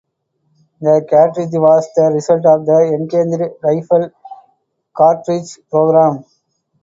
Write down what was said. The cartridge was the result of the Enhanced Rifle Cartridge program.